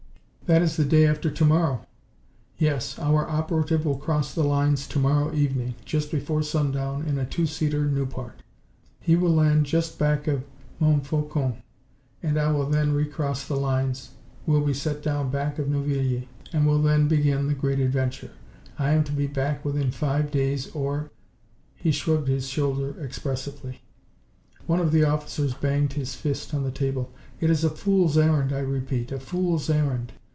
That is the day after to morrow." "Yes. Our operative will cross the lines to morrow evening, just before sundown, in a two seater Nieuport. He will land just back of Montfaucon, and I will then re cross the lines, will be set down back of Neuvilly and will then begin the great adventure. I am to be back within five days, or " he shrugged his shoulder expressively. One of the officers banged his fist on the table. "It is a fool's errand, I repeat, a fool's errand!